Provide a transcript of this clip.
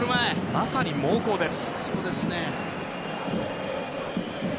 まさに猛攻です。